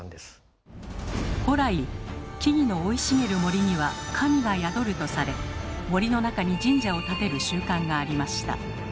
古来木々の生い茂る森には神が宿るとされ森の中に神社を建てる習慣がありました。